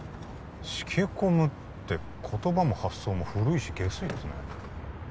しけこむって言葉も発想も古いしゲスいですね